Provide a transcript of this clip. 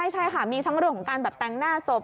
ใช่ค่ะมีทั้งเรื่องของการแบบแต่งหน้าศพ